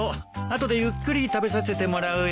後でゆっくり食べさせてもらうよ。